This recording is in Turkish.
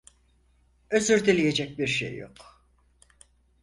Özür dileyecek bir şey yok.